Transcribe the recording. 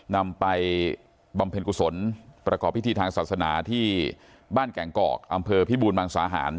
นำไปบำเพ็ญกุศลประกอบพิธีทางศาสนาที่บ้านแก่งกอกอำเภอพิบูรมังสาหาร